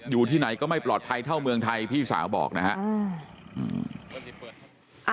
อยู่ที่ไหนก็ไม่ปลอดภัยเท่าเมืองไทยพี่สาวบอกนะครับ